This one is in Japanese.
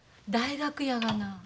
大学やがな。